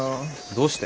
どうして？